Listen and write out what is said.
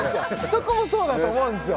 そこもそうだと思うんですよ